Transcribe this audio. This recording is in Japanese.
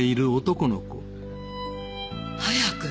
早く。